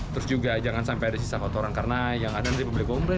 terus juga jangan sampai ada sisa kotoran karena yang ada nanti pembeli komplek